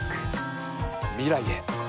未来へ。